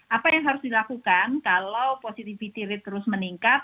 apa yang harus dilakukan kalau positivity rate terus meningkat